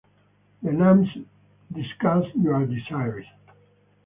The nuns discuss their desires.